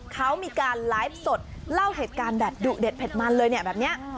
เขามีการไลฟ์สดเล่าเหตุการณ์แบบดุเด็ดเผ็ดมันเลยเนี่ยแบบนี้